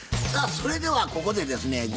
さあそれではここでですね